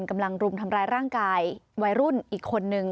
รุมทำร้ายร่างกายวัยรุ่นอีกคนนึง